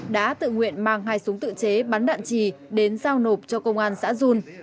đã tự nguyện mang hai súng tự chế bắn đạn trì đến giao nộp cho công an xã dùn